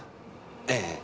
ええ。